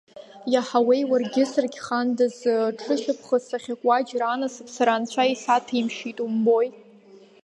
Иаҳауеи уаргьы саргь-хандаз, ҽышьаԥхыц ахьакуа џьара анасыԥ сара анцәа исаҭәеимшьеит умбои!